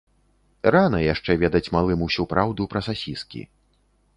Рана яшчэ ведаць малым усю праўду пра сасіскі.